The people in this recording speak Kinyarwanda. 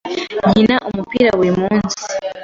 Nkina umupira buri munsi.